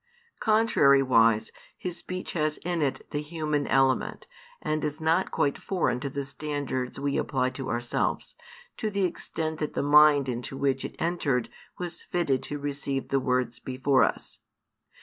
Contrariwise, His speech has in it the human element, and is not quite foreign to the standards we apply to |338 ourselves, to the extent that the mind into which it entered was fitted to receive the words before us.